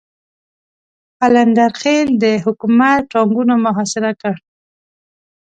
قلندر خېل د حکومت ټانګونو محاصره کړ.